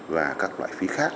và các loại phí khác